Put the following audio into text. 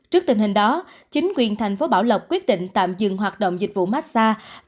trước tình hình đó chính quyền tp bảo lộc quyết định tạm dừng hoạt động dịch vụ massage